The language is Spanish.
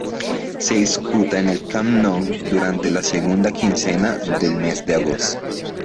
Se disputa en el Camp Nou durante la segunda quincena del mes de agosto.